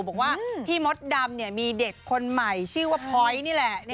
บอกว่าพี่มดดำมีเด็กคนใหม่ชื่อว่าพอยต์นี่แหละ